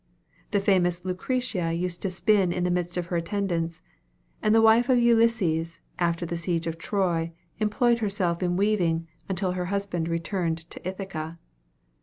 The famous Lucretia used to spin in the midst of her attendants; and the wife of Ulysses, after the siege of Troy, employed herself in weaving, until her husband returned to Ithaca.